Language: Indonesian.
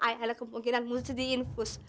i ada kemungkinan musti diinfus